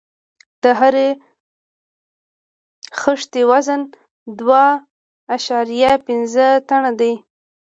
د هرې خښتې وزن دوه اعشاریه پنځه ټنه دی.